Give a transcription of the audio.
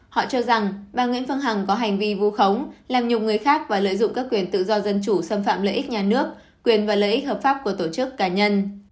họ cho rằng bà nguyễn phương hằng có hành vi vu khống làm nhiều người khác và lợi dụng các quyền tự do dân chủ xâm phạm lợi ích nhà nước quyền và lợi ích hợp pháp của tổ chức cá nhân